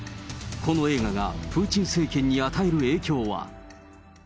この映画がプーチン政権に与える影響は。